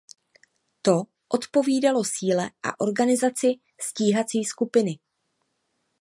To odpovídalo síle a organizaci stíhací skupiny.